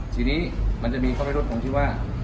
ทีนี้มันจะมีข้อในรถความที่ว่า